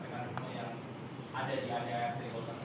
mekanisme yang ada di adi adi